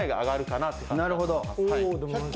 なるほど。